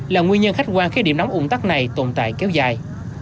là nguyên nhân khách quan khi điểm nóng ủng tắc này tồn tại kéo dài